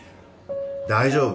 大丈夫。